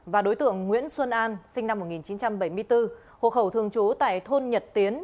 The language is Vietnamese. và đối tượng nguyễn xuân an sinh năm một nghìn chín trăm bảy mươi bốn hộ khẩu thường trú tại thôn nhật tiến